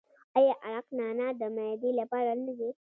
آیا عرق نعنا د معدې لپاره نه دی؟